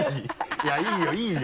いやいいよいいよ。